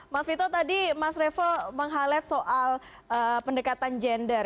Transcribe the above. mas vito tadi mas revo menghalet soal pendekatan gender